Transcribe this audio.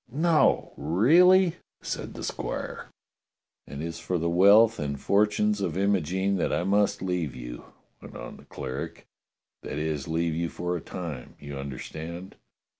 "No.^ Really? "said the squire. And it's for the wealth and fortunes of Imogene that I must leave you," went on the cleric — "that is, leave you for a time, you understand.